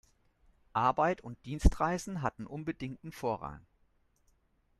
Arbeit und Dienstreisen hatten unbedingten Vorrang.